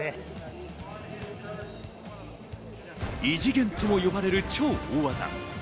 異次元とも呼ばれる超大技。